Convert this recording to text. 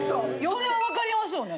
それは分かりますよね？